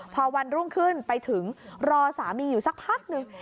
พอวันรุ่งขึ้นไปถึงรอสามีอยู่สักพักหนึ่ง